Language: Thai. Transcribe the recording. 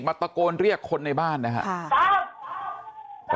ตะโกนเรียกคนในบ้านนะครับ